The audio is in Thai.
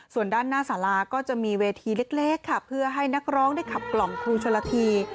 ส่วนด้านหน้าสาราก็จะมีเวทีเล็กค่ะเพื่อให้นักร้องได้ขับกล่อมครูชนละที